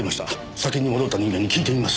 先に戻った人間に聞いてみます。